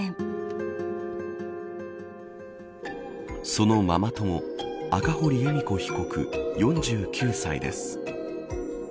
そのママ友、赤堀恵美子被告４９歳です。